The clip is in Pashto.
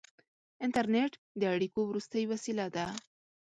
• انټرنېټ د اړیکو وروستۍ وسیله ده.